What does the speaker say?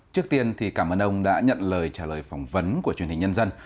trước tiên thì cảm ơn ông đã nhận lời trả lời phỏng vấn của truyền hình nhân dân